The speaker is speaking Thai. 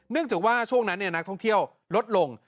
เนื่องจากว่าช่วงนั้นเนี่ยนักท่องเที่ยวลดลง